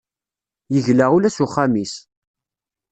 Yegla ula s uxxam-is.